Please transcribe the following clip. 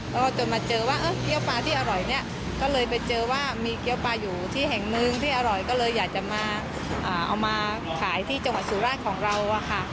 แล้วก็จนมาเจอว่าเกี้ยวปลาที่อร่อยเนี่ยก็เลยไปเจอว่ามีเกี้ยวปลาอยู่ที่แห่งนึงที่อร่อยก็เลยอยากจะมาเอามาขายที่จังหวัดสุราชของเราอะค่ะ